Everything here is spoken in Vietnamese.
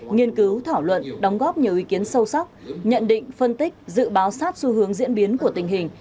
nghiên cứu thảo luận đóng góp nhiều ý kiến sâu sắc nhận định phân tích dự báo sát xu hướng diễn biến của tình hình